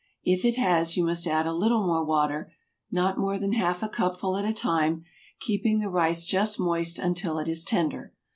If it has you must add a little more water, not more than half a cupful at a time, keeping the rice just moist until it is tender.